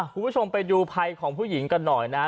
คุณผู้ชมไปดูภัยของผู้หญิงกันหน่อยนะฮะ